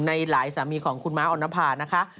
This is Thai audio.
ในหลายสามีของคุณม้าออนภานะคะ